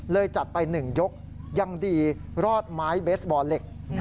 จัดไป๑ยกยังดีรอดไม้เบสบอลเหล็ก